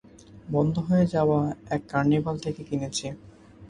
বন্ধ হয়ে যাওয়া এক কার্নিভ্যাল থেকে কিনেছি।